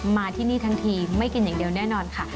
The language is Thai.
มาที่นี่ทั้งทีไม่กินอย่างเดียวแน่นอนค่ะ